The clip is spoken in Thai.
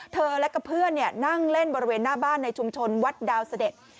และกับเพื่อนนั่งเล่นบริเวณหน้าบ้านในชุมชนวัดดาวเสด็จ